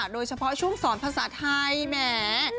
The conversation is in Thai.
โดยเฉพาะช่วงสอนภาษาไทยแหม